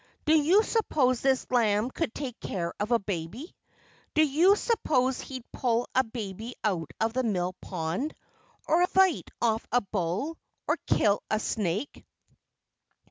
Do you suppose this lamb could take care of a baby? Do you suppose he'd pull a baby out of the mill pond? Or fight off a bull? Or kill a snake?"